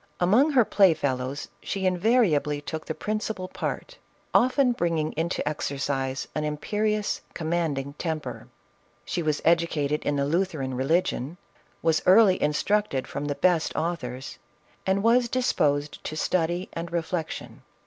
Among her play fellows she invariably took the prin cipal part, often bringing into exercise an imperious, commanding temper. She was educated in the Luther an religion, was early instructed from the best authors, and was disposed to study and reflection.